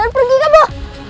kembar pergi mikrofon